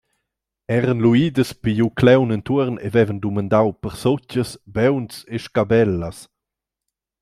Eran lu idas pigl uclaun entuorn e vevan dumandau per sutgas, bauns e scabellas.